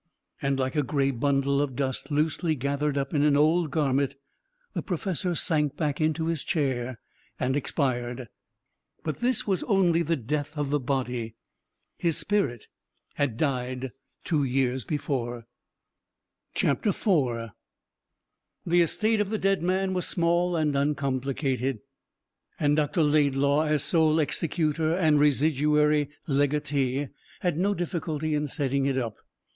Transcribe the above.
And like a grey bundle of dust loosely gathered up in an old garment the professor sank back into his chair and expired. But this was only the death of the body. His spirit had died two years before. 4 The estate of the dead man was small and uncomplicated, and Dr. Laidlaw, as sole executor and residuary legatee, had no difficulty in settling it up.